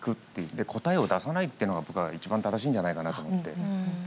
で、答えを出さないってのが僕は一番正しいんじゃないかなと思って。